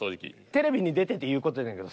テレビに出てて言う事やないけど